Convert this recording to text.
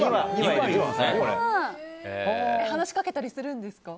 話しかけたりするんですか？